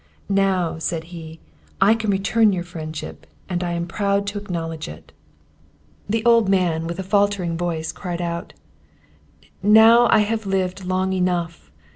"Now," said he, "I can return your friendship, and I am proud to acknowledge it!" The old man, with a faltering voice, cried out: "Now I have lived long enough!